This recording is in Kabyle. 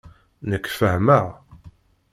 Nekk fehmeɣ.